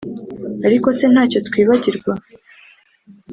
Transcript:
Ariko se ntacyo twibagirwa